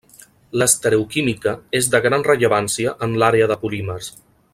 L'estereoquímica és de gran rellevància en l'àrea de polímers.